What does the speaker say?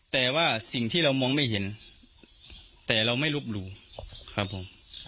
แต่ว่าสิ่งที่เรามองไม่เห็นแต่เราไม่ลบหลู่ครับผม